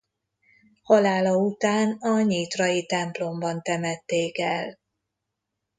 Halála után a nyitrai templomban temették el.